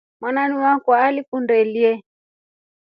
Mwananu wakwa alikumdelye.